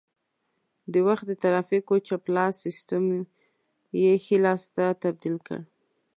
د وخت د ترافیکو چپ لاس سیسټم یې ښي لاس ته تبدیل کړ